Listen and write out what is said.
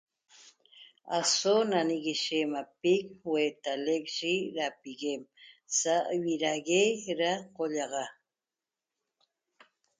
Aso nanguishe mapic huetalec yi dapiguem sa ivida'ague da collaxa